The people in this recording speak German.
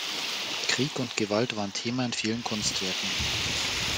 Krieg und Gewalt waren Thema in vielen Kunstwerken.